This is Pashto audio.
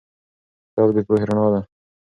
کتاب د پوهې رڼا ده.